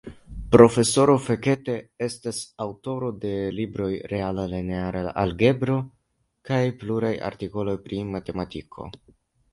Profesoro Fekete estas aŭtoro de libro Reala Lineara Algebro kaj pluraj artikoloj pri matematiko.